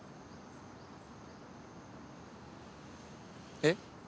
えっ？